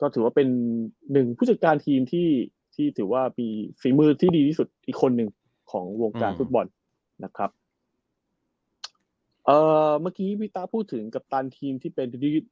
ถือว่าเป็นหนึ่งในผู้จัดการทีมที่มีศีลมือดี๑๐คนหนึ่งในวงการฟุตบอล